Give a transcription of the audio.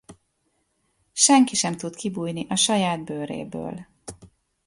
Senki sem tud kibújni a saját bőréből.